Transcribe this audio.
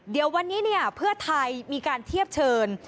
เดี๋ยววันนี้เพื่อไทยมีการเทียบเชิญ